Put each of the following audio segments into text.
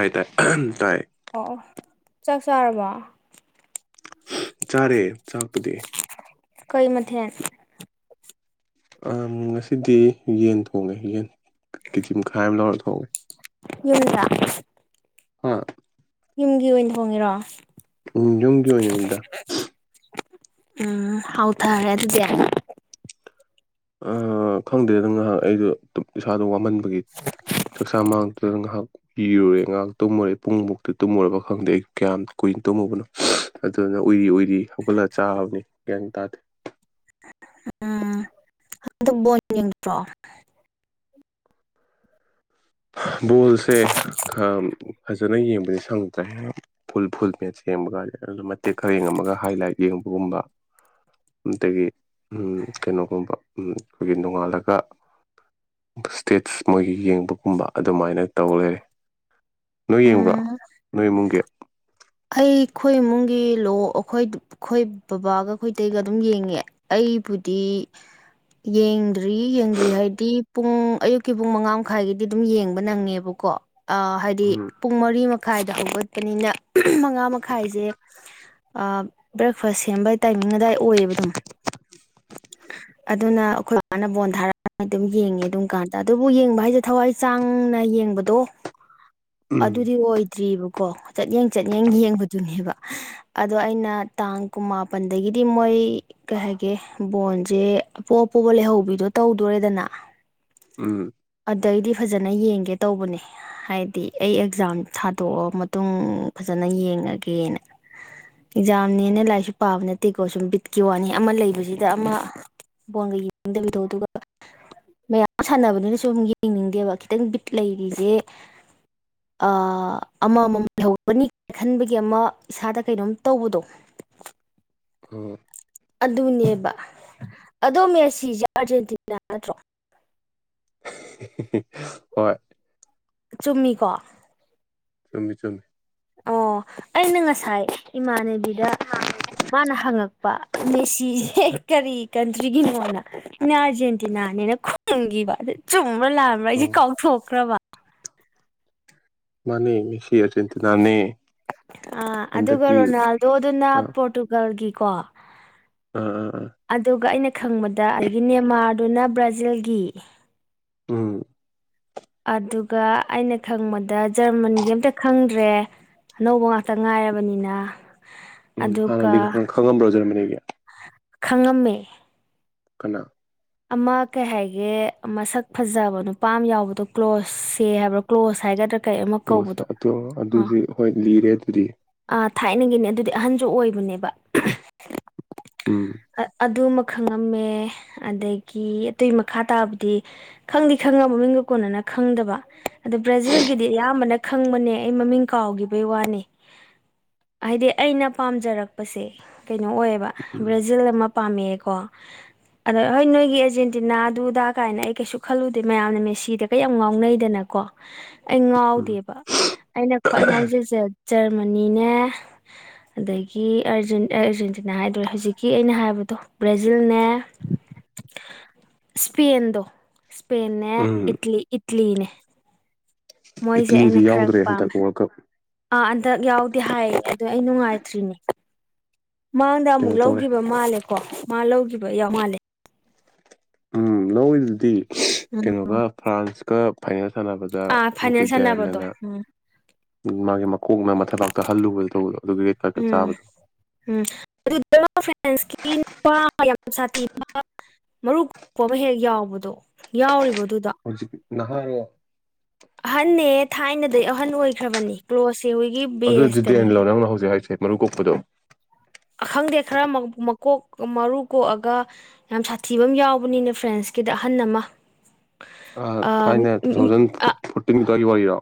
ꯇꯥꯏ ꯑꯍꯝ ꯑꯣ ꯑꯣ ꯆꯥꯛ ꯆꯥꯔꯕ ꯆꯥꯔꯦ ꯆꯥꯛꯄꯨꯗꯤ ꯀꯩ ꯃꯊꯦꯜ ꯉꯁꯤꯗꯤ ꯌꯦꯟ ꯊꯣꯡꯉꯦ ꯌꯦꯟ ꯀꯦꯖꯤ ꯃꯈꯥꯏ ꯑꯃ ꯂꯧꯔ ꯊꯣꯡꯉꯦ [unintelligible] ꯑꯥ ꯌꯨꯝꯒꯤ ꯑꯣꯏꯅ ꯊꯣꯡꯉꯤꯔꯣ ꯎꯝ ꯌꯨꯝꯒꯤ ꯑꯣꯏꯅꯅꯤꯗ ꯎꯝ ꯍꯥꯎ ꯊꯥꯔꯦ ꯑꯗꯨꯗꯤ ꯑꯥ ꯈꯪꯗꯦ ꯗꯨꯝ ꯉꯥꯏꯍꯥꯛ ꯑꯩꯗꯣ ꯏꯁꯥꯗꯣ ꯋꯥꯃꯟꯕꯩꯒꯤ ꯆꯥꯛꯆꯥ ꯃꯥꯡꯛꯇꯨꯅ ꯉꯥꯏꯍꯥꯛ ꯏꯔꯨꯔꯦ ꯉꯥꯏꯍꯥꯛ ꯇꯨꯝꯃꯨꯔꯦ ꯄꯨꯡꯃꯨꯛꯇ ꯇꯨꯝꯃꯨꯔꯕ ꯈꯪꯗꯦ ꯑꯩ ꯀꯌꯥꯝꯏ ꯀꯨꯏꯅ ꯇꯝꯃꯨꯕꯅꯣ ꯑꯗꯨꯗꯨꯅ ꯎꯏꯔꯤ ꯎꯏꯔꯤ ꯍꯧꯒꯠꯂꯒ ꯆꯥꯕꯅꯤ ꯒ꯭ꯌꯥꯟ ꯇꯥꯗꯦ [inaudible] ꯑꯗꯨ ꯕꯣꯠꯀꯤ ꯅꯠꯇ꯭ꯔꯣ ꯕꯣꯜꯁꯦ ꯈꯔ ꯐꯖꯅ ꯌꯦꯡꯕꯗꯤ ꯁꯪꯉꯗ꯭ꯔꯦ ꯍꯦ ꯐꯨꯜ ꯐꯨꯜ ꯃꯦꯠꯁ ꯌꯦꯡꯕꯒ ꯃꯇꯦꯛ ꯈꯔ ꯌꯦꯡꯉꯝꯒ ꯍꯥꯏꯂꯥꯏꯠ ꯌꯦꯡꯕ ꯒꯨꯝꯕ ꯑꯗꯒꯤ ꯑꯝ ꯀꯩꯅꯣꯒꯨꯝꯕ ꯑꯝ ꯑꯩꯈꯣꯏꯒꯤ ꯅꯣꯡꯉꯥꯜꯂꯒ ꯏꯁ꯭ꯇꯦꯠꯁ ꯃꯣꯏꯒꯤ ꯌꯦꯡꯕ ꯒꯨꯨꯝꯕ ꯑꯗꯨꯃꯥꯏꯅ ꯇꯧ ꯂꯩꯔꯦ ꯅꯣꯏ ꯌꯦꯡꯕ꯭ꯔꯥ ꯎꯝ ꯅꯣꯏ ꯏꯃꯨꯡꯒꯤ ꯑꯩꯈꯣꯏ ꯏꯃꯨꯡꯒꯤ ꯂꯣ ꯑꯩꯈꯣꯏ ꯑꯩꯈꯣꯏ ꯕꯕꯥꯒ ꯑꯩꯈꯣꯏꯇꯩꯒ ꯑꯗꯨꯝ ꯌꯦꯡꯉꯦ ꯑꯩ ꯑꯩꯕꯨꯗꯤ ꯌꯦꯡꯗ꯭ꯔꯤ ꯌꯦꯡꯗ꯭ꯔꯤ ꯍꯥꯏꯗꯤ ꯄꯨꯡ ꯑꯌꯨꯛꯀꯤ ꯄꯨꯡ ꯃꯉꯥ ꯃꯈꯥꯏꯒꯤꯗꯤ ꯑꯗꯨꯝ ꯌꯦꯡꯕ ꯅꯪꯉꯦꯕꯀꯣ ꯀꯣ ꯑ ꯍꯥꯏꯗꯤ ꯎꯝ ꯄꯨꯡ ꯃꯔꯤ ꯃꯈꯥꯏꯗ ꯍꯧꯒꯠꯄꯅꯤꯅ ꯃꯉꯥ ꯃꯈꯥꯏꯖꯦ ꯕ꯭ꯔꯦꯛꯐꯥꯁ ꯁꯦꯝꯕꯩ ꯇꯥꯏꯃꯤꯡ ꯑꯗꯥꯏ ꯑꯣꯏꯌꯦꯕ ꯑꯗꯨꯝ [inaudible] ꯑꯗꯨꯅ ꯑꯩꯈꯣꯏ ꯕꯥꯅ ꯕꯣꯟ ꯊꯥꯔꯛ ꯑꯗꯨꯝ ꯌꯦꯡꯉꯦ ꯑꯗꯨꯝ ꯀꯥꯟꯗ ꯑꯗꯨꯕꯨ ꯌꯦꯡꯕ ꯍꯥꯏꯁꯦ ꯊꯋꯥꯏ ꯆꯥꯡ ꯆꯪꯅ ꯌꯦꯡꯕꯗꯣ ꯎꯝ ꯑꯗꯨꯗꯤ ꯑꯣꯏꯗ꯭ꯔꯤꯕꯀꯣ ꯆꯠꯌꯦꯡ ꯆꯠꯌꯦꯡ ꯌꯦꯡꯕꯗꯨꯅꯦꯕ ꯑꯗꯣ ꯑꯩꯅ ꯇꯥꯡ ꯀꯨꯟꯃꯥꯄꯟꯗꯒꯤꯗꯤ ꯃꯣꯏ ꯀꯩ ꯍꯥꯏ ꯒꯦ ꯕꯣꯟꯁꯦ ꯑꯄꯣ ꯄꯣꯕ ꯂꯩꯍꯧꯕꯤꯗꯣ ꯇꯧꯗꯣꯔꯦꯗꯅ ꯎꯝ ꯑꯗꯩꯗꯤ ꯐꯖꯅ ꯌꯦꯡꯒꯦ ꯇꯧꯕꯅꯦ ꯍꯥꯏꯗꯤ ꯑꯩ ꯑꯦꯛꯖꯥꯝ ꯊꯥꯗꯣꯛꯑ ꯃꯇꯨꯡ ꯐꯖꯅ ꯌꯦꯡꯉꯒꯦꯅ ꯑꯦꯛꯖꯥꯝꯅꯦꯅ ꯂꯥꯏꯔꯤꯛꯁꯨ ꯄꯥꯕ ꯅꯠꯇꯦꯀꯣ ꯁꯨꯝ ꯕꯤꯠꯀꯤ ꯋꯥꯅꯤ ꯑꯃ ꯂꯩꯕꯁꯤꯗ ꯑꯃ ꯕꯣꯟꯒ ꯌꯦꯡꯅꯤꯡꯗꯕꯤꯗꯣ ꯑꯗꯨꯒ ꯃꯌꯥꯝ ꯁꯥꯟꯅꯕꯅꯤꯅꯁꯨ ꯌꯦꯡꯅꯤꯡꯗꯦꯕ ꯈꯤꯇꯪ ꯕꯤꯠ ꯂꯩꯔꯤꯖꯦ ꯑ ꯑꯃꯃꯝ ꯅꯤꯛ ꯈꯟꯕꯒꯤ ꯑꯃ ꯏꯁꯥꯗ ꯀꯩꯅꯣꯝ ꯇꯧꯕꯗꯣ ꯎꯝ ꯑꯗꯨꯅꯦꯕ ꯑꯗꯣ ꯃꯦꯁꯤꯁꯦ ꯑꯥꯔꯖꯦꯟꯇꯤꯅꯥ ꯅꯠꯇ꯭ꯔꯣ ꯍꯣꯏ ꯆꯨꯝꯃꯤꯀꯣ ꯆꯨꯝꯃꯤ ꯆꯨꯝꯃꯤ ꯑꯣ ꯑꯩꯅ ꯉꯁꯥꯏ ꯏꯃꯥꯟꯅꯕꯤꯗ ꯃꯥꯅ ꯍꯪꯉꯛꯄ ꯃꯦꯁꯤꯁꯦ ꯀꯔꯤ ꯀꯟꯇ꯭ꯔꯤꯒꯤꯅꯣꯅ ꯑꯩꯅ ꯑꯥꯔꯖꯦꯟꯇꯤ ꯇꯤꯅꯥꯅꯦꯅ ꯈꯨꯝꯈꯤꯕ ꯑꯗꯨ ꯆꯨꯝꯕ꯭ꯔꯥ ꯂꯥꯕ꯭ꯔꯥ ꯑꯩꯁꯦ ꯎꯝ ꯀꯥꯎꯊꯣꯛꯈ꯭ꯔꯕ [inaudible] ꯃꯥꯅꯦ ꯃꯦꯁꯤ ꯑꯥꯔꯖꯦꯟꯇꯤꯅꯥꯅꯦ ꯑ ꯑꯗꯨꯒ ꯍꯟꯗꯛꯀꯤ ꯔꯣꯅꯥꯜꯗꯣꯗꯨꯅ ꯄꯣꯔꯇꯨꯒꯜꯒꯤꯀꯣ ꯑꯥ ꯑꯥ ꯑꯥ ꯑꯗꯨꯒ ꯑꯩꯅ ꯈꯪꯕꯗ ꯑꯗꯒꯤ ꯃꯦꯟꯃꯥꯔꯗꯨꯅ ꯕ꯭ꯔꯥꯖꯤꯜꯒꯤ ꯎꯝ ꯑꯗꯨꯒ ꯑꯩꯅ ꯈꯪꯕꯗ ꯖꯔꯃꯟꯒꯤ ꯑꯝꯇ ꯈꯪꯗ꯭ꯔꯦ ꯑꯅꯧꯕ ꯉꯥꯛꯇ ꯉꯥꯏꯔꯕꯅꯤꯅ ꯎꯝ ꯑꯗꯨꯒ ꯍꯥꯟꯅꯗꯤ ꯈꯪꯉꯝꯕ꯭ꯔꯣ ꯖꯔꯃꯅꯤꯒꯤ ꯈꯪꯉꯝꯃꯦ ꯀꯅꯥ ꯑꯃ ꯀꯩ ꯍꯥꯏꯒꯦ ꯃꯁꯛ ꯐꯖꯕ ꯅꯨꯄꯥ ꯑꯃ ꯌꯥꯎꯕꯗꯣ ꯀ꯭ꯂꯣꯁꯁꯦ ꯍꯥꯏꯕ꯭ꯔꯣ ꯀ꯭ꯂꯣꯁ ꯍꯥꯏꯒꯗ꯭ꯔꯥ ꯀꯩ ꯑꯃ ꯔꯣꯁꯦ ꯀꯧꯕꯗꯣ ꯑꯗꯨ ꯑ ꯑꯗꯨꯗꯤ ꯍꯣꯏ ꯂꯤꯔꯦ ꯑꯗꯨꯗꯤ ꯑ ꯊꯥꯏꯅꯒꯤꯅꯤ ꯑꯗꯨꯗꯤ ꯑꯍꯟ ꯗꯨ ꯑꯣꯏꯕꯅꯦꯕ ꯎꯝ ꯑꯗꯨꯃꯛ ꯈꯪꯉꯝꯃꯦ ꯑꯗꯒꯤ ꯑꯗꯨꯏ ꯃꯈꯥ ꯇꯥꯕꯗꯤ ꯈꯪꯗꯤ ꯈꯪꯉ ꯃꯃꯤꯡꯒ ꯀꯣꯟꯅꯅ ꯈꯪꯗꯕ ꯑꯗꯣ ꯕ꯭ꯔꯥꯖꯤꯜꯒꯤꯗꯤ ꯑꯌꯥꯝꯕꯅ ꯈꯪꯕꯅꯦ ꯑꯩ ꯃꯃꯤꯡ ꯀꯥꯎꯈꯤꯕꯩ ꯋꯥꯅꯤ [inaudible] ꯍꯥꯏꯗꯤ ꯑꯩꯅ ꯄꯥꯝꯖꯔꯛꯄꯁꯦ ꯀꯩꯅꯣ ꯑꯣꯏꯌꯦꯕ ꯎꯝ ꯕ꯭ꯔꯥꯖꯤꯜ ꯑꯃ ꯄꯥꯝꯃꯛꯑꯦꯀꯣ ꯑꯗꯣ ꯍꯣꯏ ꯅꯣꯏꯒꯤ ꯑꯥꯔꯖꯦꯟꯇꯤꯅꯥ ꯗꯨꯗꯥ ꯀꯥꯏꯅ ꯑꯩ ꯀꯩꯁꯨ ꯈꯜꯂꯨꯗꯦ ꯃꯌꯥꯝꯅ ꯃꯦꯁꯤꯗ ꯀ ꯌꯥꯝ ꯉꯥꯎꯅꯩꯗꯅ ꯀꯣ ꯑꯩ ꯎꯝ ꯉꯥꯎꯗꯦꯕ ꯑꯩꯅ ꯈ꯭ꯋꯥꯏ ꯉꯥꯎꯖꯩꯁꯦ ꯖꯔꯃꯅꯤꯅꯦ ꯑꯗꯒꯤ ꯑꯔꯖꯨ ꯑꯔꯖꯨ ꯇꯤꯅ ꯍꯥꯏꯗ꯭ꯔꯦ ꯍꯧꯖꯤꯛ ꯀꯤ ꯑꯩꯅ ꯍꯥꯏꯕꯗꯣ ꯕ꯭ꯔꯥꯖꯤꯜꯅꯦ ꯏꯁꯄꯦꯟꯗꯣ ꯁꯄꯦꯟꯅꯦ ꯎꯝ ꯏꯠꯂꯤ ꯏꯠꯂꯤꯅꯦ ꯃꯣꯏꯁꯦ ꯏꯇꯂꯤꯗꯤ ꯑꯩꯅ ꯈꯔ ꯌꯥꯎꯗ꯭ꯔꯦ ꯍꯟꯗꯛ ꯄꯥꯝꯃꯦ ꯋꯥꯔꯜ ꯀꯞ ꯑꯥ ꯍꯟꯗꯛ ꯌꯥꯎꯗꯦ ꯍꯥꯏꯌꯦ ꯑꯗꯨꯗꯣ ꯑꯩ ꯅꯨꯡꯉꯥꯏꯇ꯭ꯔꯤꯅꯦ ꯃꯥꯡꯗ ꯀꯩꯅꯣ ꯑꯃꯨꯛ ꯇꯧꯔꯦ ꯂꯧꯈꯤꯕ ꯃꯥꯜꯂꯦꯀꯣ ꯃꯥ ꯂꯧꯈꯤꯕ ꯌꯥꯎ ꯃꯥꯜꯂꯦ ꯎꯝ ꯂꯧꯋꯤꯗꯨꯗꯤ ꯎꯝ ꯀꯩꯅꯣꯒ ꯐ꯭ꯔꯥꯟꯁꯀ ꯐꯥꯏꯅꯦꯜ ꯁꯥꯟꯅꯕꯗ ꯑꯥ ꯅꯨꯡꯇꯤ ꯐꯥꯏꯅꯦꯜ ꯁꯥꯟꯅꯕꯗꯣ ꯌꯥꯟꯗꯅ ꯎꯝ ꯃꯥꯒꯤ ꯃꯀꯣꯛꯅ ꯃꯊꯕꯥꯛꯇ ꯍꯜꯂꯨꯕꯗ ꯇꯧꯕꯗꯣ ꯑꯗꯨꯒꯤ ꯔꯦꯗꯀꯥꯠꯀ ꯎꯝ ꯆꯥꯕꯗꯣ ꯎꯝ ꯑꯗꯨꯗ ꯐ꯭ꯔꯦꯟꯁꯀꯤ ꯅꯨꯄ ꯌꯥꯝ ꯁꯥꯊꯤ ꯃꯔꯨ ꯀꯣꯛꯄ ꯑꯃ ꯍꯦꯛ ꯌꯥꯎꯕꯗꯣ ꯌꯥꯎꯔꯤꯕꯣ ꯍꯧꯏꯖꯤꯛ ꯅꯍꯥꯔꯣ ꯊꯥꯏꯅꯗꯒꯤ ꯑꯍꯟ ꯑꯣꯏꯈ꯭ꯔꯕꯅꯦ ꯀ꯭ꯂꯣꯁ ꯑꯗꯨ ꯗꯤꯇꯦꯟ ꯂꯣ ꯅꯪꯅ ꯍꯧꯖꯤꯛ ꯍꯥꯏꯁꯦ ꯃꯔꯨ ꯀꯣꯛꯄꯗꯣ ꯑꯈꯪꯗꯦ ꯈꯔ ꯃꯀꯣꯛ ꯃꯔꯨ ꯀꯣꯛꯑꯒ ꯌꯥꯝ ꯁꯥꯊꯤꯕ ꯑꯃ ꯌꯥꯎꯕꯅꯤꯅꯦ ꯐ꯭ꯔꯦꯟꯁ ꯀꯤꯗ ꯑꯍꯟ ꯑꯃ ꯊꯥꯏꯅꯦ ꯇꯨ ꯊꯥꯎꯖꯟ ꯐꯣꯔꯇꯤꯟꯗꯨꯋꯥꯏꯒꯤ ꯋꯥꯔꯤꯔꯣ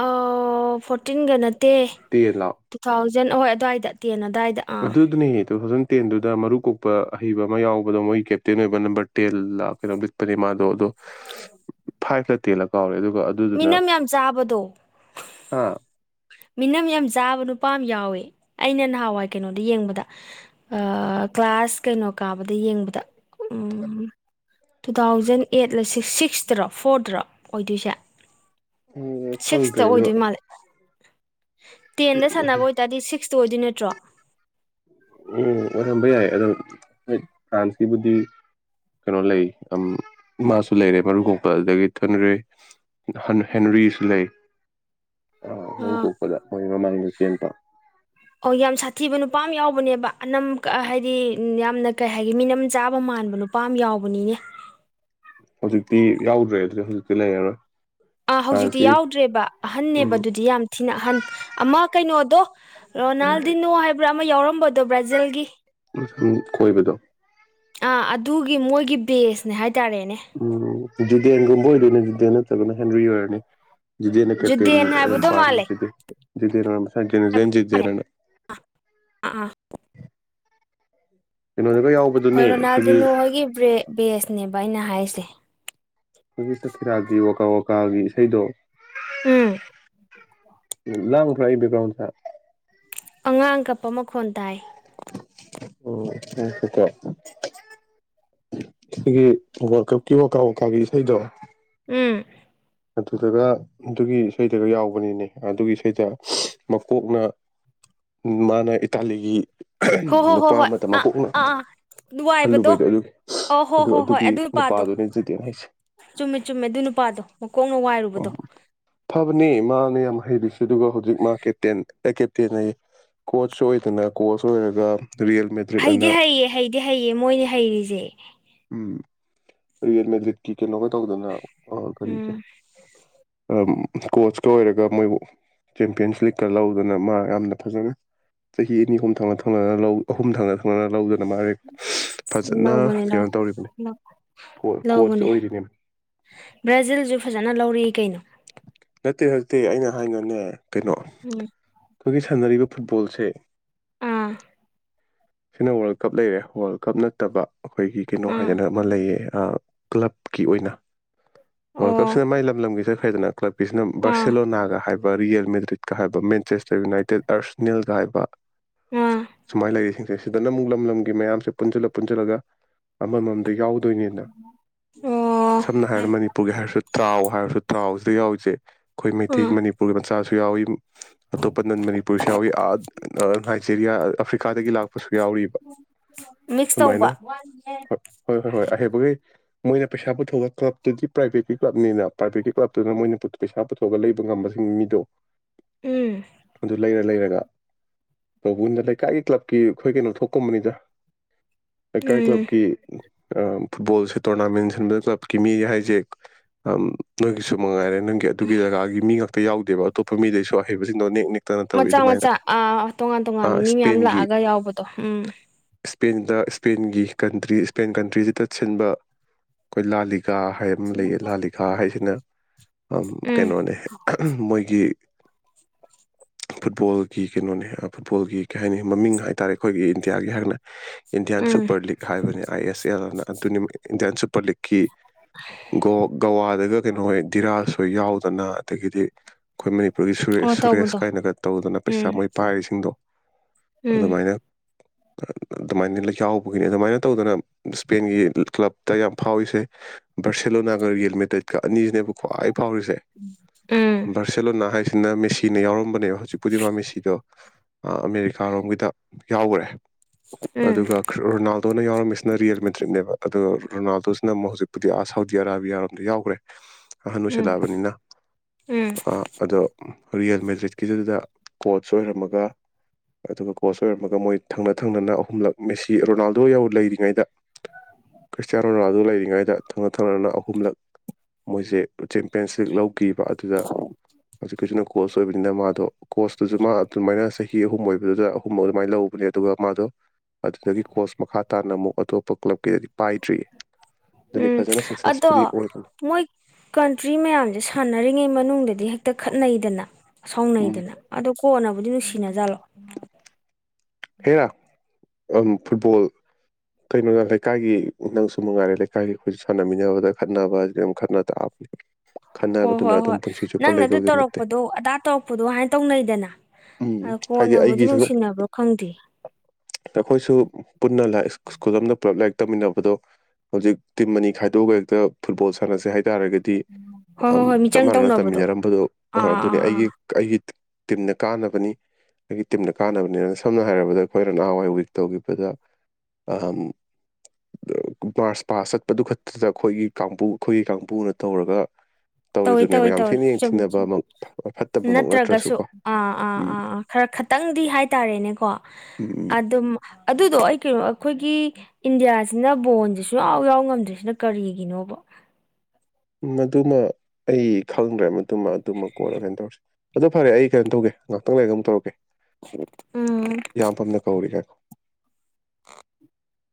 ꯑꯥ ꯐꯣꯔꯇꯤꯟꯒ ꯅꯠꯇꯦ ꯇꯦꯟ ꯂꯥꯎ ꯇꯨ ꯊꯥꯎꯖꯟ ꯑꯍꯣꯏ ꯑꯗꯨꯋꯥꯏꯗ ꯇꯦꯟ ꯑꯗꯨꯋꯥꯏꯗ ꯑꯥ ꯑꯗꯨꯗꯨꯅꯦꯌꯦ ꯑꯗꯨꯅ ꯑꯗꯨ ꯗ ꯃꯔꯨ ꯀꯣꯛꯄ ꯑꯍꯩꯕ ꯑꯃ ꯌꯥꯎꯕꯗꯣ ꯃꯣꯏꯒꯤ ꯀꯦꯞꯇꯦꯟ ꯑꯣꯏꯕ ꯅꯝꯕꯔ ꯇꯦꯟ ꯀꯩꯅꯣ ꯂꯤꯠꯄꯅꯦ ꯃꯥꯗꯣ ꯑꯗꯣ ꯐꯥꯏꯚꯇ ꯇꯦꯜꯂ ꯀꯥꯎꯔꯦ ꯑꯗꯨꯒ ꯑꯗꯨꯗꯨꯅ ꯃꯤꯅꯝ ꯌꯥꯝ ꯆꯥꯕꯗꯣ ꯍꯥ ꯃꯤꯅꯝ ꯌꯥꯝ ꯆꯥꯕ ꯅꯨꯄꯥ ꯑꯃ ꯌꯥꯎꯋꯦ ꯑꯩꯅ ꯅꯍꯥꯟꯋꯥꯏ ꯀꯩꯅꯣꯗ ꯌꯦꯡꯕꯗ ꯑꯥ ꯀ꯭ꯂꯥꯁ ꯀꯩꯅꯣ ꯀꯥꯕꯗ ꯌꯦꯡꯕꯗ ꯎꯝ ꯇꯨ ꯊꯥꯎꯖꯟ ꯑꯦꯠꯂ ꯁꯤꯛꯁꯇꯔꯣ ꯐꯣꯔꯗꯔꯣ ꯑꯣꯏꯗꯣꯏꯁꯦ ꯎꯝ ꯁꯤꯛꯁꯇ ꯈꯪꯗ꯭ꯔꯦ ꯑꯗꯣ ꯑꯣꯏꯗꯣꯏ ꯃꯥꯜꯂꯦ ꯇꯦꯟꯗ ꯁꯥꯟꯅꯕ ꯑꯣꯏꯇꯥꯔꯗꯤ ꯁꯤꯛꯁ ꯑꯗꯨ ꯑꯣꯏꯗꯩ ꯅꯠꯇ꯭ꯔꯣ ꯎꯝ ꯑꯣꯏꯔꯝꯕ ꯌꯥꯏ ꯑꯗꯣ ꯍꯣꯏ ꯐ꯭ꯔꯥꯟꯁꯀꯤꯕꯨꯗꯤ ꯀꯩꯅꯣ ꯂꯩ ꯃꯥꯁꯨ ꯂꯩꯔꯦ ꯃꯔꯨ ꯀꯣꯛꯄ ꯑꯗꯨꯗꯒꯤ ꯊꯨꯅꯔꯦ ꯍ ꯍꯦꯟꯔꯤꯁꯨ ꯂꯩ ꯃꯔꯨ ꯑꯥ ꯀꯣꯛꯄꯗ ꯃꯣꯏ ꯃꯃꯥꯡꯗ ꯆꯦꯟꯕ ꯑꯣ ꯌꯥꯝ ꯁꯥꯊꯤꯕ ꯅꯨꯄꯥ ꯑꯃ ꯌꯥꯎ ꯍꯧꯕꯅꯦꯕ ꯑꯅꯝ ꯍꯥꯏꯗꯤ ꯌꯥꯝꯅ ꯀꯩ ꯍꯥꯏꯒ ꯃꯤꯅꯝ ꯆꯥꯕ ꯃꯥꯟꯕ ꯅꯨꯄꯥ ꯑꯃ ꯌꯥꯎꯕꯅꯤꯅꯦ ꯍꯧꯖꯤꯛꯇꯤ ꯌꯥꯎꯗ꯭ꯔꯦ ꯑꯗꯨꯗꯤ ꯍꯧꯖꯤꯛꯇꯤ ꯂꯩꯔꯔꯣꯏ ꯑꯥ ꯍꯧꯖꯤꯛꯇꯤ ꯐ꯭ꯔꯥꯟꯁꯀꯤ ꯌꯥꯎꯗ꯭ꯔꯦꯕ ꯑꯍꯟꯅꯦꯕ ꯑꯗꯨꯗꯤ ꯌꯥꯝ ꯊꯤꯅ ꯑꯍꯟ ꯑꯃ ꯀꯩꯅꯣꯗꯣ ꯔꯣꯅꯥꯜꯗꯤꯅꯣ ꯍꯥꯏꯕ꯭ꯔꯥ ꯑꯃ ꯌꯥꯎꯔꯝꯕꯗꯣ ꯕ꯭ꯔꯥꯖꯤꯜꯒꯤ ꯁꯨꯝ ꯀꯣꯏꯕꯗꯣ ꯑꯥ ꯑꯗꯨꯒꯤ ꯃꯣꯏꯒꯤ ꯕꯦꯁꯅꯦ ꯍꯥꯏ ꯎꯝ ꯖꯨꯗꯦꯟꯒꯨꯝꯕ ꯑꯣꯏꯗꯣꯏꯅꯦ ꯖꯨꯗꯦꯟ ꯅꯠꯇ꯭ꯔꯒꯅ ꯍꯦꯟꯔꯤ ꯑꯣꯏꯔꯅꯤ ꯖꯨꯗꯦꯟ ꯍꯥꯏꯕꯗꯣ ꯃꯥꯜꯂꯦ ꯃꯥꯜꯂꯦ [unintelligible] [inaudible] ꯑꯥ [unintelligible] ꯍꯣꯏ ꯌꯥꯎꯕꯗꯨꯅꯦ ꯑꯩꯈꯣꯏꯒꯤ ꯔꯣꯅꯥꯜꯗꯤꯅꯣ ꯍꯣꯏꯒꯤ ꯕꯦꯁꯅꯦꯕ ꯑꯩꯅ ꯍꯥꯏꯁꯦ ꯍꯧꯒꯤ ꯁꯀꯤꯔꯥꯒꯤ ꯋꯥꯀꯥ ꯋꯥꯀꯥꯒꯤ ꯏꯁꯩꯗꯣ ꯎꯝ [unintelligible] ꯑꯉꯥꯡ ꯀꯞꯄ ꯃꯈꯣꯟ ꯇꯥꯏ ꯑꯣ [unintelligible] ꯑꯈꯣꯏꯒꯤ ꯋꯥꯔꯜꯀꯞꯀꯤ ꯃꯀꯥ ꯋꯥꯀꯥꯒꯤ ꯏꯁꯩꯗꯣ ꯎꯝ ꯑꯗꯨꯗꯒ ꯑꯗꯨꯒꯤ ꯏꯁꯩꯗꯒ ꯌꯥꯎꯕꯅꯤꯅꯦ ꯑꯗꯨꯒꯤ ꯏꯁꯩꯗ ꯃꯀꯣꯛꯅ ꯃꯥꯅ ꯏꯇꯥꯂꯤꯒꯤ ꯍꯣ ꯍꯣ ꯍꯣ ꯅꯨꯄꯥ ꯍꯣꯏ ꯑꯃꯗ ꯑꯥ ꯃꯀꯣꯛꯅ ꯑꯥ ꯑꯥ ꯋꯥꯏꯕꯗꯣ ꯍꯜꯂꯨꯕꯩꯗꯣ ꯑꯗꯨꯒꯤ ꯑꯣ ꯍꯣ ꯑꯗꯨ ꯍꯣ ꯍꯣꯏ ꯑꯗꯨꯒꯤ ꯑꯗꯨ ꯅꯨꯄꯥꯗꯣ ꯅꯨꯄꯥꯗꯨꯅꯦ ꯖꯤꯇꯦꯟ ꯍꯥꯏꯁꯦ ꯆꯨꯝꯃꯦ ꯆꯨꯝꯃꯦ ꯑꯗꯨ ꯅꯨꯄꯥꯗꯣ ꯃꯀꯣꯛꯅ ꯋꯥꯏꯔꯨ ꯎꯝ ꯐꯕꯅꯦ ꯃꯥꯅꯦ ꯌꯥꯝ ꯍꯩꯔꯤꯁꯦ ꯑꯗꯨꯒ ꯍꯧꯖꯤꯛ ꯃꯥ ꯀꯦꯇꯦꯟ ꯑꯦ ꯀꯦꯞꯇꯦꯟ ꯑꯌꯦ ꯀꯣꯆ ꯑꯣꯏꯗꯅ ꯀꯣꯆ ꯑꯣꯏꯔꯒ ꯔꯤꯌꯦꯜ ꯃꯦꯗ꯭ꯔꯤꯠ ꯍꯩꯗꯤ ꯑꯅ ꯍꯩꯌꯦ ꯍꯩꯗꯤ ꯍꯩꯌꯦ ꯃꯣꯏꯅꯦ ꯍꯩꯔꯤꯖꯦ ꯎꯝ ꯔꯤꯌꯦꯜ ꯃꯦꯗ꯭ꯔꯤꯛꯀꯤ ꯀꯩꯅꯣ ꯀ ꯇꯧꯗꯅ ꯑ ꯀꯔꯤꯒꯦ ꯎꯝ ꯗꯨꯝ ꯀꯣꯆꯀ ꯑꯣꯏꯔꯒ ꯃꯣꯏ ꯆꯦꯝꯄꯤꯌꯟꯁ ꯂꯤꯛꯀ ꯂꯧꯗꯅ ꯃꯥꯔꯛ ꯌꯥꯝꯅ ꯐꯖꯅ ꯆꯍꯤ ꯑꯅꯤ ꯑꯍꯨꯝ ꯊꯪꯅ ꯊꯪꯅꯅ ꯂꯧ ꯑꯍꯨꯝ ꯊꯪꯅ ꯊꯪꯅꯅ ꯂꯧꯖ ꯑꯗꯨ ꯃꯥꯗꯤ ꯐꯖꯅ ꯂꯧꯕꯅꯦ ꯀꯩꯅꯣ ꯂꯧ ꯇꯧꯔꯤꯕꯅꯤ ꯀꯣ ꯀꯣꯠꯆ ꯂꯧꯕꯅꯦ ꯑꯣꯏꯔꯤꯅꯦ ꯕ꯭ꯔꯥꯖꯤꯜꯁꯨ ꯐꯖꯅ ꯂꯧꯔꯛꯏ ꯀꯩꯅꯣ ꯅꯠꯇꯦ ꯍꯧꯠꯇꯦ ꯑꯩꯅ ꯍꯥꯏꯅꯅꯦ ꯀꯩꯅꯣ ꯎꯝ ꯑꯩꯈꯣꯏꯒꯤ ꯁꯥꯟꯅꯔꯤꯕ ꯐꯨꯠꯕꯣꯜꯁꯦ ꯑꯥ ꯁꯤꯅ ꯋꯥꯔꯜ ꯀꯞ ꯂꯩꯔꯦ ꯋꯥꯔꯜ ꯀꯞ ꯅꯠꯇꯕ ꯑꯩꯈꯣꯏꯒꯤ ꯀꯩꯅꯣ ꯑꯥ ꯍꯥꯏꯗꯅ ꯑꯃ ꯂꯩꯌꯦ ꯀ꯭ꯂꯕꯀꯤ ꯑꯣꯏꯅ ꯋꯥꯔꯜ ꯑꯣ ꯀꯞꯁꯤꯅ ꯃꯥꯏ ꯂꯝ ꯂꯝꯒꯤ ꯆꯠꯈ꯭ꯔꯦꯗꯅ ꯀ꯭ꯂꯕ ꯁꯤꯅ ꯑꯥ ꯕꯥꯔꯁꯦꯂꯣꯅꯥꯒ ꯍꯥꯏꯕ ꯔꯤꯌꯦꯜ ꯃꯦꯗ꯭ꯔꯤꯠꯀ ꯍꯥꯏꯕ ꯃꯦꯟꯆꯦꯁꯇꯔ ꯌꯨꯅꯥꯏꯇꯦꯠ ꯑꯥꯔꯁꯅꯤꯜ ꯀ ꯍꯥꯏꯕ ꯑꯥ ꯁꯨꯃꯥꯏꯅ ꯂꯩꯔꯤꯁꯤꯡꯁꯦ ꯁꯤꯗꯅ ꯑꯃꯨꯛ ꯂꯝ ꯂꯝꯒꯤ ꯃꯌꯥꯝꯁꯦ ꯄꯨꯟꯁꯤꯜꯂ ꯄꯨꯟꯁꯤꯜꯂꯒ ꯑꯃꯃꯝ ꯑꯗꯨ ꯌꯥꯎꯗꯣꯏꯅꯤꯅ ꯑꯣ ꯁꯝꯅ ꯍꯥꯏꯔ ꯃꯅꯤꯄꯨꯔꯒꯤ ꯍꯥꯏꯔꯁꯨ ꯇ꯭ꯔꯥꯎ ꯍꯥꯏꯔꯁꯨ ꯇ꯭ꯔꯥꯎꯁꯤꯗ ꯌꯥꯎꯔꯤꯁꯦ ꯑꯩꯈꯣꯏ ꯃꯩꯇꯩꯒꯤ ꯑꯥ ꯃꯅꯤꯄꯨꯔꯒꯤ ꯃꯆꯥꯁꯨ ꯌꯥꯎꯏ ꯑꯇꯣꯞꯄ ꯅꯟ ꯃꯅꯤ ꯄꯨꯁꯨ ꯌꯥꯎꯏ ꯑꯥ ꯑ ꯅꯥꯏꯖꯦꯔꯤꯌꯥ ꯑꯐ꯭ꯔꯤꯀꯥꯗꯒꯤ ꯂꯥꯛꯄꯁꯨ ꯌꯥꯎꯔꯤꯕ ꯃꯤꯛꯁ ꯁꯨꯃꯥꯏꯅ ꯇꯧꯕ ꯍ ꯍꯣꯏ ꯍꯣꯏ ꯍꯣꯏ ꯑꯍꯩꯕꯒꯩ ꯃꯣꯏꯅ ꯄꯩꯁꯥ ꯄꯨꯊꯑꯒ ꯀ꯭ꯂꯕꯇꯗꯤ ꯄ꯭ꯔꯥꯏꯚꯦꯠꯀꯤ ꯀ꯭ꯂꯕꯅꯤꯅ ꯄ꯭ꯔꯥꯏꯚꯦꯠꯀꯤ ꯀ꯭ꯂꯕꯇꯨꯅ ꯃꯣꯏꯅ ꯄꯩꯁꯥ ꯄꯨꯊꯣꯛꯑꯒ ꯂꯩꯕ ꯉꯝꯕꯁꯤꯡ ꯃꯤꯗꯣ ꯎꯝ ꯑꯗꯨ ꯂꯩꯔ ꯂꯩꯔꯒ ꯇꯧꯕꯨꯅ ꯂꯩꯀꯥꯏꯒꯤ ꯀ꯭ꯂꯕꯀꯤ ꯑꯩꯈꯣꯏ ꯀꯩꯅꯣ ꯊꯣꯛꯀꯨꯝꯕꯅꯤꯗꯥ ꯂꯩꯀꯥꯏ ꯎꯝ ꯀ꯭ꯂꯕꯀꯤ ꯑ ꯐꯨꯠꯕꯣꯜꯁꯦ ꯇꯣꯔꯅꯥꯃꯦꯟ ꯁꯤꯟꯕꯗ ꯀ꯭ꯂꯕꯀꯤ ꯃꯤ ꯍꯥꯏꯖꯦ ꯅꯣꯏꯒꯤꯁꯨ ꯃꯉꯥꯏꯔꯦ ꯅꯪꯒꯤ ꯑꯗꯨꯒꯤ ꯖꯒꯥꯒꯤ ꯃꯤ ꯉꯥꯛꯛꯇ ꯌꯥꯎꯗꯦꯕ ꯑꯇꯣꯞꯄ ꯃꯤꯗꯩꯁꯨ ꯑꯍꯩꯕꯁꯤꯡꯗꯣ ꯅꯦꯛ ꯅꯦꯛ ꯃꯆꯥ ꯃꯆꯥ ꯑ ꯇꯣꯉꯥꯟ ꯑ ꯇꯣꯉꯥꯟꯕ ꯃꯤ ꯃꯌꯥꯝ ꯂꯥꯛꯑꯒ ꯌꯥꯎꯕꯗꯣ ꯎꯝ ꯁ꯭ꯄꯦꯟꯗ ꯁ꯭ꯄꯦꯟꯒꯤ ꯀꯟꯇ꯭ꯔꯤ ꯁꯄꯦꯟ ꯀꯟꯇ꯭ꯔꯤꯁꯤꯗ ꯁꯤꯟꯕ ꯑꯩꯈꯣꯏ ꯂꯥꯜꯂꯤꯛ ꯍꯥꯏ ꯑꯃ ꯂꯩ ꯂꯥꯂꯤꯀꯥ ꯍꯥꯏꯁꯤꯅ ꯎꯝ ꯀꯩꯅꯣꯅꯦ ꯃꯣꯏꯒꯤ ꯒꯤ ꯐꯨꯠꯕꯣꯜꯒꯤ ꯀꯩꯅꯣꯅꯦ ꯐꯨꯠꯕꯣꯜꯒꯤ ꯀꯩ ꯍꯥꯏꯅꯤ ꯃꯃꯤꯡ ꯍꯥꯏꯇꯥꯔꯦ ꯑꯩꯈꯣꯏꯒꯤ ꯏꯟꯗꯤꯌꯥꯒꯤ ꯍꯥꯏꯔꯒꯅ ꯏꯟꯗꯤꯌꯥꯟ ꯎꯝ ꯁꯨꯄꯔ ꯂꯤꯛ ꯍꯥꯏꯕꯅꯤ ꯑꯥꯏ ꯑꯦꯁ ꯑꯦꯜ ꯑꯅ ꯑꯗꯨꯅꯤ ꯏꯟꯗꯤꯌꯥꯟ ꯁꯨꯄꯔ ꯂꯤꯛꯀꯤ ꯒꯣ ꯒꯋꯥꯗꯒ ꯀꯩꯅꯣ ꯍꯣꯏ ꯗꯤꯔꯥꯥꯍꯣꯏ ꯌꯥꯎꯗꯅ ꯑꯗꯒꯤꯗꯤ ꯑꯩꯈꯣꯏ ꯃꯅꯤ ꯑꯗꯒꯤ ꯑꯣ ꯁꯨꯔꯦꯁ ꯁꯨꯔꯦꯁ ꯇꯧꯕꯗꯣ ꯀꯥꯏꯅꯒ ꯇꯧꯗꯅ ꯄꯩꯁꯥ ꯎꯝ ꯃꯣꯏ ꯄꯥꯏꯔꯤꯁꯤꯡꯗꯣ ꯎꯝ ꯑꯗꯨꯃꯥꯏꯅ ꯑꯗꯨꯃꯥꯏꯅ ꯂꯩ ꯌꯥꯎꯕꯒꯤꯅꯤ ꯑꯗꯨꯃꯥꯏꯅ ꯇꯧꯗꯅ ꯁ꯭ꯄꯦꯟꯒꯤ ꯀ꯭ꯂꯞꯇ ꯌꯥꯝ ꯐꯥꯎꯔꯤꯁꯦ ꯕꯥꯔꯁꯦꯂꯣ ꯅꯥꯒꯔ ꯔꯤꯌꯦꯜꯃꯦꯗ꯭ꯔꯤꯠꯀ ꯑꯅꯤꯁꯤꯅꯦꯕ ꯈ꯭ꯋꯥꯏ ꯐꯥꯎꯔꯤꯁꯦ ꯎꯝ ꯕꯥꯔꯁꯦꯂꯣꯅꯥ ꯍꯥꯏꯁꯦ ꯑꯗꯨꯅ ꯃꯦꯁꯤꯅ ꯌꯥꯎꯔꯝꯕꯅꯦꯕ ꯍꯧꯖꯤꯛꯄꯨꯗꯤ ꯃꯥ ꯃꯦꯁꯤꯗꯣ ꯑꯃꯦꯔꯤꯀꯥꯔꯣꯝꯒꯤꯗ ꯌꯥꯎꯈ꯭ꯔꯦ ꯎꯝ ꯑꯗꯨꯒ ꯀ꯭ꯔꯣ ꯔꯣꯅꯥꯜꯗꯣꯅ ꯌꯥꯎꯔꯝꯃꯤꯁ ꯁꯤꯅ ꯔꯤꯌꯦꯜ ꯃꯦꯗ꯭ꯔꯤꯠꯅꯦꯕ ꯑꯗꯣ ꯔꯣꯅꯥꯜꯗꯣꯁꯤꯅ ꯑꯃꯨꯛ ꯍꯧꯖꯤꯛꯄꯨꯗꯤ ꯑꯥ ꯁꯥꯎꯗꯤ ꯑꯔꯥꯕꯤꯌꯥꯔꯣꯝꯗ ꯌꯥꯎꯒ꯭ꯔꯦ ꯑꯍꯟ ꯎꯝ ꯑꯣꯏꯁꯤꯜꯂꯛꯑꯕꯅꯤꯅ ꯎꯝ ꯑ ꯑꯗꯣ ꯔꯤꯌꯦꯜ ꯃꯦꯗ꯭ꯔꯤꯠꯀꯤꯗꯨꯗ ꯀꯣꯠꯁ ꯑꯣꯏꯔꯝꯃꯒ ꯑꯗꯨꯒ ꯀꯣꯆ ꯑꯣꯏꯔꯝꯃꯒ ꯃꯣꯏ ꯊꯪꯅ ꯊꯪꯅꯅ ꯑꯍꯨꯝꯂꯛ ꯃꯦꯁꯤ ꯔꯣꯅꯥꯜꯗꯣ ꯌꯥꯎ ꯂꯩꯔꯤꯉꯩꯗ ꯈ꯭ꯔꯤꯁꯇꯤꯌꯥꯅꯣ ꯔꯣꯅꯥꯜꯗꯨ ꯂꯩꯔꯤꯉꯩꯗ ꯊꯪꯅ ꯊꯪꯅꯅ ꯑꯍꯨꯝꯂꯛ ꯃꯣꯏꯁꯦ ꯆꯦꯝꯄꯤꯌꯟꯁꯤꯛ ꯂꯧꯈꯤꯕ ꯑꯗꯨꯗ ꯍꯧꯖꯤꯛꯀꯤꯁꯤꯅ ꯀꯣꯆ ꯑꯣꯏꯕꯅꯤꯅ ꯃꯥꯗꯣ ꯀꯣꯁꯇꯨꯁꯨ ꯃꯥ ꯑꯗꯨꯃꯥꯏꯅ ꯆꯍꯤ ꯑꯍꯨꯝ ꯑꯣꯏꯕꯗꯨꯗ ꯑꯍꯨꯝꯃꯛ ꯑꯗꯨꯃꯥꯏꯅ ꯂꯧ ꯕꯅꯦ ꯑꯗꯨꯒ ꯃꯥꯗꯣ ꯑꯗꯨꯗꯒꯤ ꯀꯣꯁ ꯃꯈꯥ ꯇꯥꯅ ꯑꯃꯨꯛ ꯑꯇꯣꯞꯄ ꯀ꯭ꯂꯕꯀꯤꯗꯒꯤ ꯄꯥꯏꯗ꯭ꯔꯤꯌꯦ ꯑꯗꯨꯅꯤ ꯎꯝ ꯐꯖꯅ ꯁꯛꯁꯦꯁꯐꯨꯜꯂꯤ ꯑꯗꯣ ꯑꯣꯏꯕꯅꯤ ꯃꯣꯏ ꯀꯟꯇ꯭ꯔꯤ ꯃꯌꯥꯝꯖꯦ ꯁꯥꯟꯅꯔꯤꯉꯩ ꯃꯅꯨꯡꯗꯗꯤ ꯍꯦꯛꯇ ꯈꯠꯅꯩꯗꯅ ꯎꯝ ꯁꯥꯎꯅꯩꯗꯅ ꯑꯗꯨ ꯀꯣꯟꯅꯕꯨꯗꯤ ꯅꯨꯡꯁꯤꯅꯖꯥꯠꯂꯣ ꯍꯦꯔ ꯑꯝ ꯐꯨꯠꯕꯣꯜ ꯀꯩꯅꯣꯗ ꯂꯩꯀꯥꯏꯒꯤ ꯅꯪꯁꯨ ꯃꯉꯥꯏꯔꯦ ꯂꯩꯀꯥꯏꯒꯤ ꯑꯩꯈꯣꯏꯁꯨ ꯁꯥꯟꯅꯃꯤꯟꯅꯕꯗ ꯈꯠꯅꯕꯖꯤꯗꯤ ꯑꯗꯨꯝ ꯈꯠꯅ ꯇꯥꯕꯅꯤ ꯍꯣꯏ ꯈꯠꯅꯕꯗꯨꯅ ꯍꯣꯏ ꯑꯗꯨꯝ ꯍꯣꯏ ꯄꯨꯟꯁꯤ ꯆꯨꯞꯄ ꯅꯪꯅ ꯑꯗꯨ ꯂꯩꯗꯧꯗꯤ ꯅꯠꯇꯦ ꯇꯧꯔꯛꯄꯗꯣ ꯑꯗꯥ ꯇꯧꯔꯛꯄꯗꯣ ꯍꯥꯏꯅ ꯇꯧꯅꯩꯗꯅ ꯑ ꯀꯣꯟꯅꯕꯨꯗꯤ ꯅꯨꯡꯁꯤꯅꯕ꯭ꯔꯣ ꯈꯪ ꯅꯈꯣꯏꯁꯨ ꯄꯨꯟꯅ ꯂꯥꯢꯛ ꯁ꯭ꯀꯨꯜ ꯑꯝꯗ ꯄꯨꯂꯞ ꯂꯥꯏꯛ ꯇꯝꯃꯤꯟꯅꯕꯗꯣ ꯍꯧꯖꯤꯛ ꯇꯤꯝ ꯑꯅꯤ ꯈꯥꯏꯗꯣꯛꯑꯒ ꯍꯦꯛꯇ ꯐꯨꯠꯕꯣꯜ ꯁꯥꯟꯅꯁꯦ ꯍꯥꯏ ꯇꯥꯔꯒꯗꯤ ꯍꯣꯏ ꯑꯝ ꯍꯣꯏ ꯍꯣꯏ ꯆꯞ ꯃꯤꯆꯪ ꯃꯥꯟꯅꯅ ꯇꯧꯅꯕꯗꯣ ꯇꯝꯃꯤꯟꯅꯔꯝꯕꯗꯣ ꯑ ꯑꯥ ꯑꯗꯨꯅꯤ ꯑꯥ ꯑꯩꯒꯤ ꯑꯥ ꯑꯩꯒꯤ ꯇꯤꯝꯅ ꯀꯥꯟꯅꯕꯅꯤ ꯑꯩꯒꯤ ꯇꯤꯝꯅ ꯀꯥꯟꯅꯕꯅꯦꯅ ꯁꯥ ꯁꯝꯅ ꯍꯥꯏꯔꯕꯗ ꯑꯩꯈꯣꯏꯅ ꯅꯍꯥꯟꯋꯥꯏ ꯋꯤꯛ ꯇꯧꯈꯤꯕꯗ ꯃꯥꯔꯁ ꯄꯥꯁ ꯆꯠꯄꯗꯨ ꯈꯛꯇꯗ ꯑꯩꯈꯣꯏꯒꯤ ꯀꯥꯡꯕꯨ ꯑꯩꯈꯣꯏꯒꯤ ꯀꯥꯡꯕꯨꯅ ꯇꯧꯔꯒ ꯇꯧꯋꯦ ꯇꯧꯋꯦ ꯇꯧꯔꯤꯗꯨꯅꯦꯕ ꯌꯥꯝ ꯇꯧꯋꯤ ꯊꯤꯅ ꯆꯨꯝ ꯆꯨꯝ ꯌꯦꯡꯊꯤꯅꯕꯃꯛ ꯐꯠꯇꯕꯃꯛ ꯅꯠꯇ꯭ꯔꯒꯁꯨ ꯅꯠꯇ꯭ꯔꯁꯨꯀꯣ ꯑꯥ ꯑꯥ ꯎꯝ ꯑꯥ ꯑꯥ ꯈꯔ ꯈꯇꯪꯗꯤ ꯍꯥꯏꯇꯥꯔꯦꯅꯦꯀꯣ ꯎꯝ ꯑꯗꯨꯝ ꯑꯗꯨꯗꯣ ꯑꯩ ꯀꯩꯅꯣ ꯑꯩꯈꯣꯏꯒꯤ ꯏꯟꯗꯤꯌꯥꯁꯤꯅ ꯕꯣꯟꯖꯦ ꯁꯨꯨꯡ ꯌꯥꯎ ꯌꯥꯎ ꯉꯝꯗ꯭ꯔꯤꯁꯤꯅ ꯀꯔꯤꯒꯤꯅꯣꯕ [inaudible] ꯃꯗꯨꯃ ꯑꯩ ꯈꯪꯗ꯭ꯔꯦ ꯃꯗꯨꯃ ꯑꯗꯨꯃ ꯀꯣꯟꯅ ꯀꯩꯅꯣ ꯇꯧꯔꯁꯦ ꯑꯗꯣ ꯐꯔꯦ ꯑꯩ ꯀꯩꯅꯣ ꯇꯧꯒꯦ ꯉꯥꯛꯇꯪ ꯂꯩꯔꯒ ꯑꯃꯨꯛ ꯇꯧꯔꯛꯀꯦ ꯎꯝ ꯏꯌꯥꯝꯕꯝꯅ ꯀꯧꯔꯤ ꯉꯥꯢꯈꯣ [inaudible]